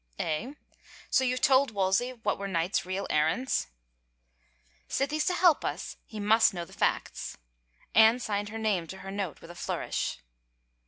"Eh? So youVe told Wolsey what were Knight's real errands ?"" Sith he's to help us he must know the facts." Anne signed her name to her note with a flourish.